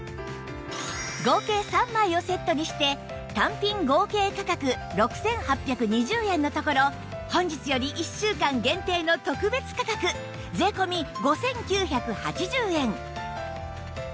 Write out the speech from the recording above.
合計３枚をセットにして単品合計価格６８２０円のところ本日より１週間限定の特別価格税込５９８０円